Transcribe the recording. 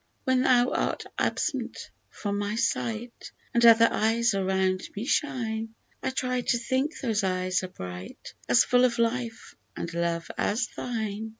When thou art absent from my sight, And other eyes around me shine, I try to think those eyes as bright, As full of life and love as thine.